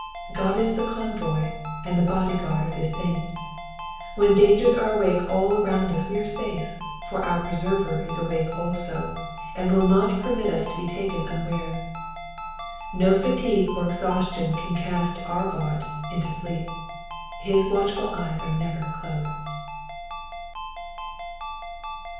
God is the convoy and body guard of his saints. When dangers are awake around us we are safe, for our Preserver is awake also, and will not permit us to be taken unawares. No fatigue or exhaustion can cast our God into sleep ; his watchful eyes are never closed.